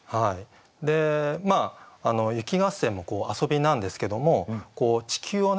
まあ雪合戦も遊びなんですけども地球をね